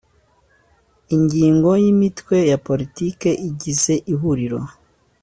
Ingingo y’Imitwe ya Politiki igize Ihuriro.